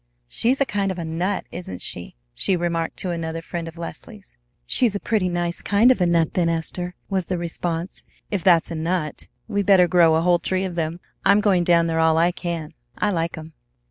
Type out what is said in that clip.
"She's a kind of a nut, isn't she?" she remarked to another friend of Leslie's. "She's a pretty nice kind of a nut, then, Esther," was the response. "If that's a nut, we better grow a whole tree of them. I'm going down there all I can. I like 'em!"